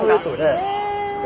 へえ。